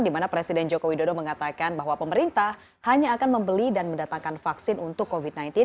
dimana presiden joko widodo mengatakan bahwa pemerintah hanya akan membeli dan mendatangkan vaksin untuk covid sembilan belas